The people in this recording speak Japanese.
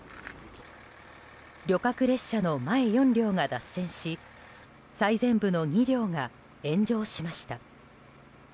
旅客列車の前４両が脱線し最前部の２両が炎上しました。